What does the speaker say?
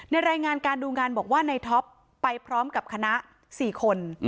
รายงานการดูงานบอกว่าในท็อปไปพร้อมกับคณะ๔คน